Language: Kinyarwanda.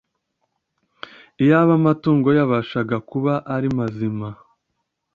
Iyaba amatungo yabashaga kuba ari mazima,